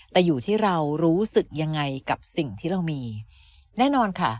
แต่อยู่ที่เรารู้สึกยังไงกับสิ่งที่เรามีแน่นอนค่ะ